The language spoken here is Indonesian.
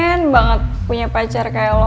gue pengen banget punya pacar kayak lo